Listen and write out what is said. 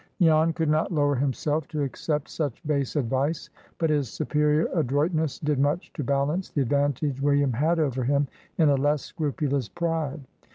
Jan could not lower himself to accept such base advice; but his superior adroitness did much to balance the advantage William had over him, in a less scrupulous pride.